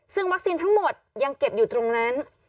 ซึ่งวัคซีนทั้งหมดยังเก็บอยู่ตรงนั้น